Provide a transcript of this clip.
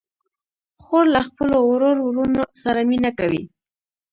خور له خپلو وړو وروڼو سره مینه کوي.